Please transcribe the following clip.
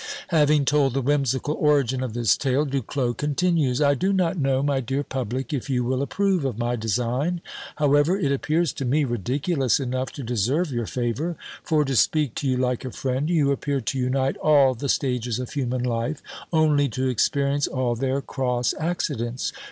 Having told the whimsical origin of this tale, Du Clos continues: "I do not know, my dear Public, if you will approve of my design; however, it appears to me ridiculous enough to deserve your favour; for, to speak to you like a friend, you appear to unite all the stages of human life, only to experience all their cross accidents.